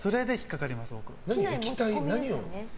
液体？何を？